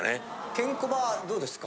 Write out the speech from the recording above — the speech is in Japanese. ケンコバはどうですか？